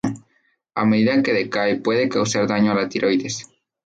A medida que decae, puede causar daño a la tiroides.